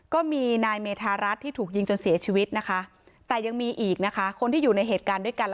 ก็มีนายเมธารัฐที่ถูกยิงจนเสียชีวิตนะคะแต่ยังมีอีกนะคะคนที่อยู่ในเหตุการณ์ด้วยกัน